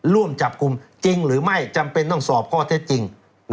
ร่วมจับกลุ่มจริงหรือไม่จำเป็นต้องสอบข้อเท็จจริง